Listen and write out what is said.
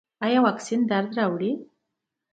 ایا واکسین درد راوړي؟